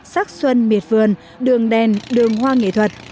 sắc xuân miệt vườn đường đèn đường hoa nghệ thuật